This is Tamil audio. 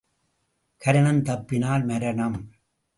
கரணம் தப்பினால் மரணம்.